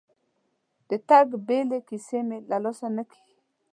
د تګ بیلې کیسې مې له لاسه نه کېږي.